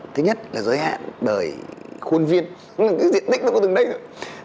thứ nhất là giới hạn bởi khuôn viên cái diện tích nó có từng đây rồi